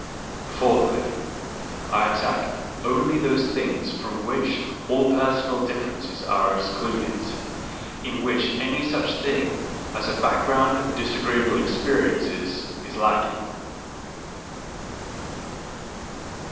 ... Fourthly, I attack only those things from which all personal differences are excluded, in which any such thing as a background of disagreeable experiences is lacking."